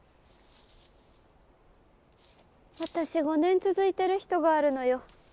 私５年続いてる人があるのよ。